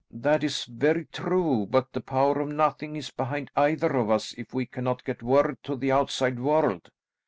"That is very true, but the power of nothing is behind either of us if we cannot get word to the outside world.